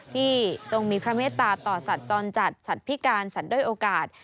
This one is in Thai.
ทรงมีพระเมตตาต่อสัตว์จรจัดสัตว์พิการสัตว์ด้วยโอกาส